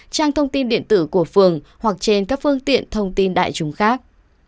trang thông tin điện tử của phường hoặc trên các phương tiện thông tin đại chúng khác